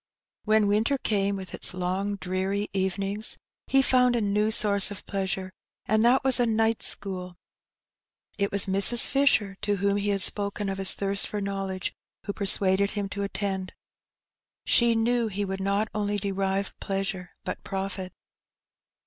When winter came, with its long dreary evenings, he found a new source of pleasure, and that was a night school. It was Mrs, Fisher — to whom he had spoken of his thirst for knowledge — who persuaded him to attend. She knew he would not only derive pleasure, but profit.